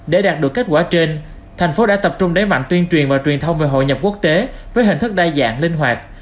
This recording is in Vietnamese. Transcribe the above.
để đạt được kết quả trên thành phố đã tập trung đáy mạnh tuyên truyền và truyền thông về hội nhập quốc tế với hình thức đa dạng linh hoạt